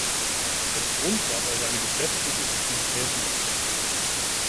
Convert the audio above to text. Als Grund gab er seine geschäftlichen Aktivitäten an.